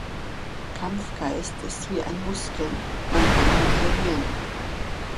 Kampfgeist ist wie ein Muskel, man kann ihn trainieren.